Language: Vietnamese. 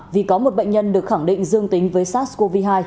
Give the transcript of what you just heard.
vì có một bệnh nhân được khẳng định dương tính với sars cov hai